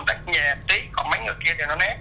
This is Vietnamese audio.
thì nó nét